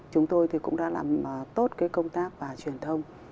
chúng tôi cũng đã làm tốt cái công tác và truyền thông